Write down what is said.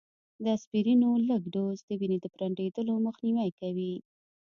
د اسپرينو لږ ډوز، د وینې د پرنډېدلو مخنیوی کوي